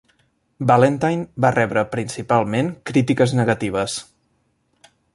"Valentine" va rebre principalment crítiques negatives.